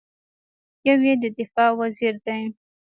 یو یې د دفاع وزیر دی.